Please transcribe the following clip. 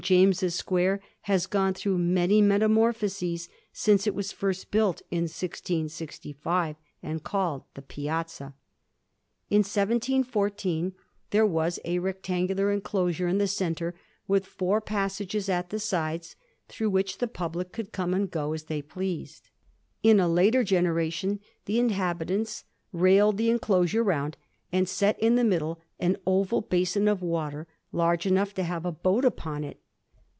James's Square has gone through many metamorphoses since it was first built in 1665, and called the Piazza. In 1714 there was a rectangular Digiti zed by Google 1714 COVENT GARDEN. 89 enclosure in the centre with four paasages at the sides, through which the public could come and go as they pleased. In a later generation the inhabitants railed the enclosure round, and set in the middle an oval basin of water, large enough to have a boat upon it.